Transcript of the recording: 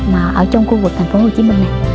mà ở trong khu vực thành phố hồ chí minh này